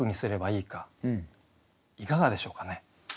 いかがでしょうかね？